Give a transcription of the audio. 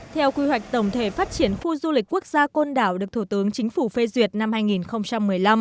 theo quy hoạch tổng thể phát triển khu du lịch quốc gia côn đảo được thủ tướng chính phủ phê duyệt năm hai nghìn một mươi năm